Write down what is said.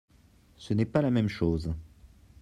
Ce n’est pas la même chose